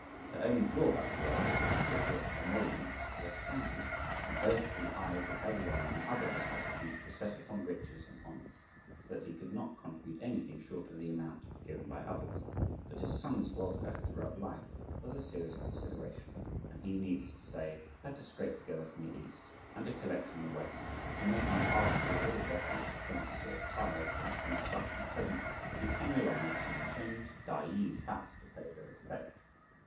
The only drawbacks were that his official emoluments were scanty, and that both the eyes of everyone in the other establishment were set upon riches and honours, so that he could not contribute anything short of the amount (given by others); but his son's welfare throughout life was a serious consideration, and he, needless to say, had to scrape together from the East and to collect from the West; and making a parcel, with all deference, of twenty four taels for an introduction present, he came along with Ch'in Chung to Tai ju's house to pay their respects.